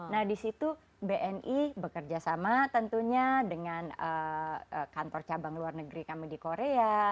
nah di situ bni bekerja sama tentunya dengan kantor cabang luar negeri kami di korea